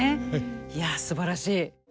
いやすばらしい。